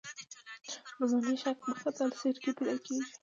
لومړنی شک په خط السیر کې پیدا کیږي.